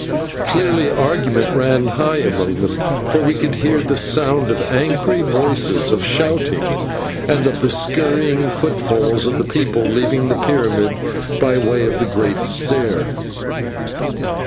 Clearly argument ran high among them, for we could hear the sound of angry voices, of shouting, and of the hurrying footfalls of the people leaving the pyramid by way of the great stair.